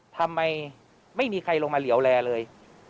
ทำไมไม่มีใครลงมาเหลี่ยวแลเลย